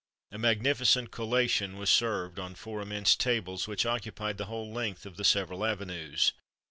A magnificent collation was served on four immense tables, which occupied the whole length of the several avenues.